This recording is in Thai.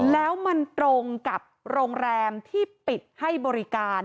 แล้วมันตรงกับโรงแรมที่ปิดให้บริการ